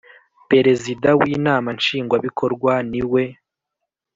Perezida w Inama Nshingwabikorwa ni we